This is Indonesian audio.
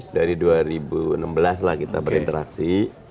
dari dua ribu enam belas lah kita berinteraksi